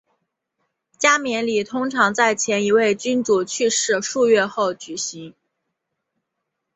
加冕礼通常在前一位君主去世数月后举行。